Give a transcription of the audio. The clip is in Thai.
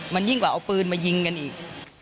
มันยิ่งกว่าเอาปืนมายิงกันอีก